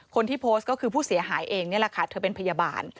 คนที่โพสต์ก็คือผู้เสียหายเองนี่แหละค่ะเธอเป็นพยาบาล